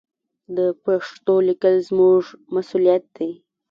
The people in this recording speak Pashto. د پښتو لیکل زموږ مسوولیت دی.